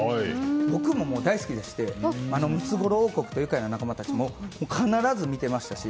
僕も大好きでして「ムツゴロウとゆかいな仲間たち」も必ず見ていましたし。